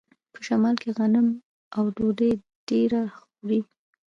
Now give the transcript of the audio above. په شمال کې غنم او ډوډۍ ډیره خوري.